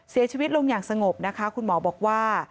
เสียชีวิตลงอย่างสงบนะคะคุณหมอบอกว่า